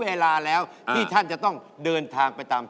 เพราะว่ารายการหาคู่ของเราเป็นรายการแรกนะครับ